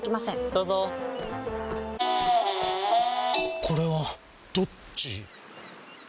どうぞこれはどっち？